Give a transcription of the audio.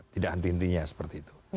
tidak henti hentinya seperti itu